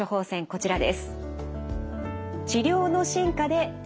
こちらです。